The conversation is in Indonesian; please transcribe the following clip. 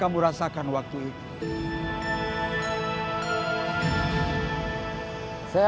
jangan lupa like share dan subscribe ya